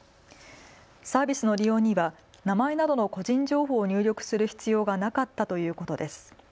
サービスの利用には名前などの個人情報を入力する必要がなかったということです。